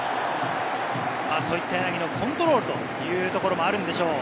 柳のコントロールというところもあるんでしょう。